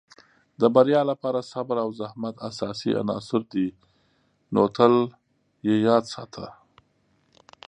د بریا لپاره صبر او زحمت اساسي عناصر دي، نو تل یې یاد ساته.